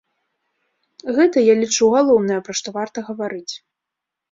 Гэта, я лічу, галоўнае, пра што варта гаварыць.